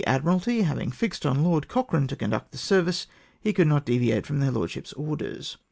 357 Admiralty having fixed on Lord Cochrane to conduct the service, he could not deviate from their Lordships' orders."